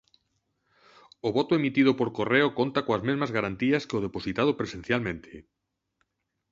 O voto emitido por correo conta coas mesma garantías que o depositado presencialmente.